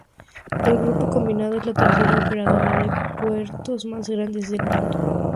El grupo combinado es la tercera operadora de puertos más grande del mundo.